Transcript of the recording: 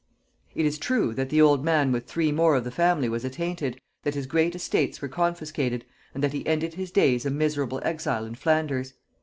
It is true that the old man with three more of the family was attainted, that his great estates were confiscated, and that he ended his days a miserable exile in Flanders.